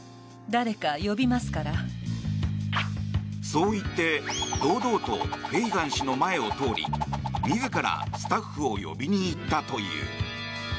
そう言って堂々とフェイガン氏の前を通り自らスタッフを呼びに行ったという。